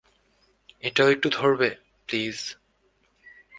এটাও একটু ধরবে, প্লিজ?